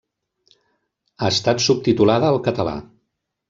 Ha estat subtitulada al català.